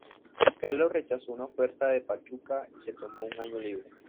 Carlos rechazó una oferta de Pachuca y se tomó un año libre.